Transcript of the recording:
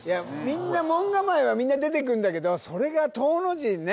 みんな門構えは出てくんだけどそれが「闘」の字ね